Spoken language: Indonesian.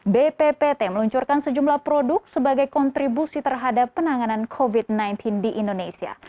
bppt meluncurkan sejumlah produk sebagai kontribusi terhadap penanganan covid sembilan belas di indonesia